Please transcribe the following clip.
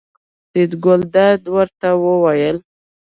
اکبرجان راورسېد، ګلداد ورته وویل.